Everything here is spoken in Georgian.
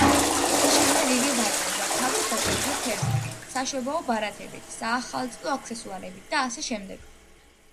შემდეგ იგი ვაჭრობდა თავის დაჭერილი თევზით, საშობაო ბარათებით, საახალწლო აქსესუარებით და ასე შემდეგ.